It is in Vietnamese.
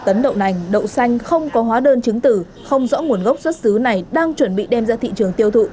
hai tấn đậu nành đậu xanh không có hóa đơn chứng tử không rõ nguồn gốc xuất xứ này đang chuẩn bị đem ra thị trường tiêu thụ